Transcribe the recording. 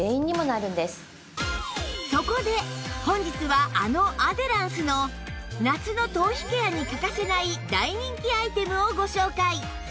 そこで本日はあのアデランスの夏の頭皮ケアに欠かせない大人気アイテムをご紹介